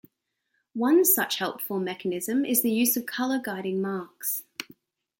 One such helpful mechanism is the use of colour guiding marks.